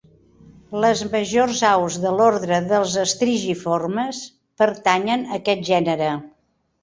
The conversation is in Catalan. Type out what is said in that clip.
Les majors aus de l'ordre dels estrigiformes pertanyen a aquest gènere.